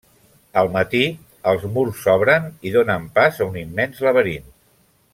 Al matí els murs s'obren i donen pas a un immens laberint.